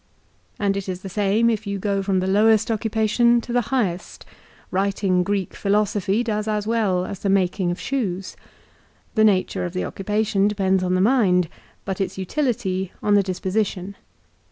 And it is the same if you go from the lowest occupation to the highest. Writing Greek philosophy does as well as the making of shoes. The nature of the occupation depends on the mind, but its utility on the dis position.